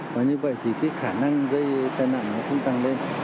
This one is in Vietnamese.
và như vậy thì cái khả năng gây tai nạn nó cũng tăng lên